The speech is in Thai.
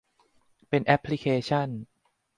เป็นแอปพลิเคชั่น